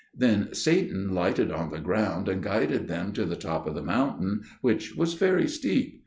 Then Satan lighted on the ground, and guided them to the top of the mountain, which was very steep.